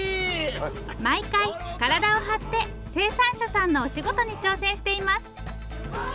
毎回体を張って生産者さんのお仕事に挑戦しています。